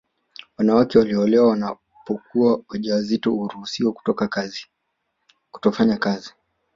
Wanawake walioolewa wanapokuwa wajawazito huruhusiwa kutofanya kazi